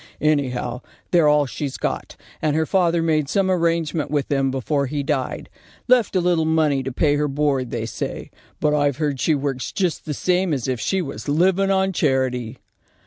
Any how, they're all she's got, and her father made some arrangement with them before he died. Left a little money to pay her board, they say, but I've heard she works just the same as if she was living on charity."